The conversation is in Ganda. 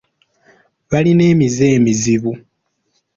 Balina emize emizibu